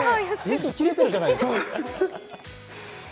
息切れてるじゃないですか！